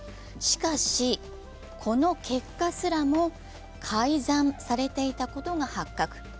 しかし、この結果すらも改ざんされていたことが発覚。